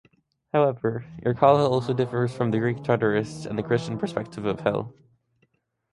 However, Irkalla also differs from the Greek Tartarus and the Christian perspective of hell.